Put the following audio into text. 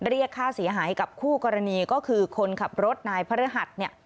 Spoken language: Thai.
เรียกค่าเสียหายกับคู่กรณีก็คือคนขับรถนายพระฤหัสเนี่ย